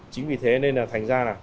chính vì thế nên là thành ra là